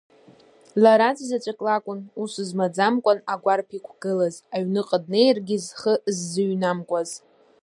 Лара аӡәзаҵәык лакәын ус змаӡамкәан агәарԥ иқәгылаз, аҩныҟа днеиргьы зхы ззыҩнамкуаз.